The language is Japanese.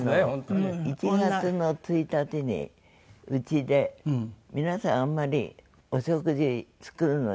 １月の１日にうちで皆さんあんまりお食事作るの苦手なので。